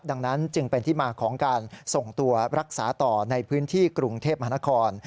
ดังนั้นจึงเป็นที่มาของการส่งตัวรักษาต่อในพื้นที่กรุงเทพมหานคร